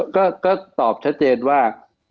ก็ตอบชัดเจนว่า